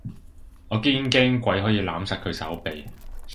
我堅驚鬼可以攬實佢手臂